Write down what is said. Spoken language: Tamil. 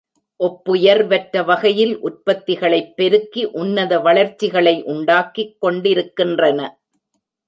ஒப்புயர்வற்ற வகையில் உற்பத்திகளைப் பெருக்கி உன்னத வளர்ச்சிகளை உண்டாக்கிக் கொண்டிருக்கின்றன.